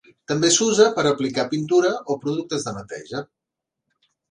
També s'usa per a aplicar pintura o productes de neteja.